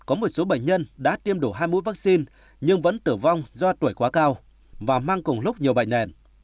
có một số bệnh nhân đã tiêm đủ hai mũi vaccine nhưng vẫn tử vong do tuổi quá cao và mang cùng lúc nhiều bệnh nền